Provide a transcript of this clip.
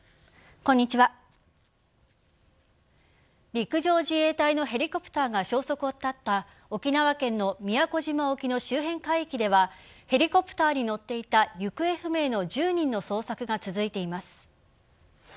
陸上自衛隊のヘリコプターが消息を絶った沖縄県の宮古島沖の周辺海域ではヘリコプターに乗っていた行方不明の１０人の捜索が続いています。